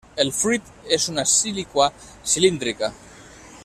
El fruit és una síliqua cilíndrica.